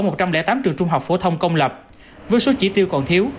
tuy nhiên ở một trăm linh tám trường trung học phổ thông công lập với số chi tiêu còn thiếu